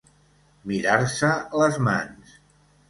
Mirar-se les mans.